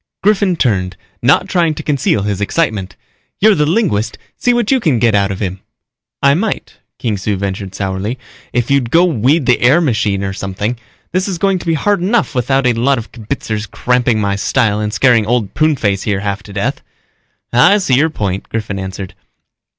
Griffin turned, not trying to conceal his excitement. "You're the linguist, see what you can get out of him." "I might," Kung Su ventured sourly, "if you'd go weed the air machine or something. This is going to be hard enough without a lot of kibitzers cramping my style and scaring Old Pruneface here half to death." "I see your point," Griffin answered.